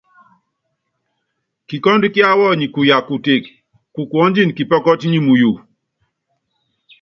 Kikɔ́ndú kíáwɔ nyi kuya kuteke, kukuɔndini pikɔtɔ́pɔ nyi muyu.